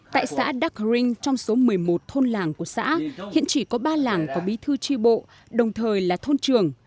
tại xã đắc rinh trong số một mươi một thôn làng của xã hiện chỉ có ba làng có bí thư tri bộ đồng thời là thôn trường